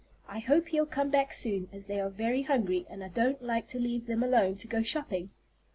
I hope he'll come back soon, as they are very hungry, and I don't like to leave them alone to go shopping."